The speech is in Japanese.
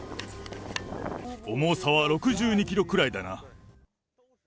重さは６２キロくらいだな。